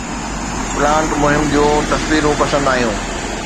plant مهم جون تصويرون پسند آيون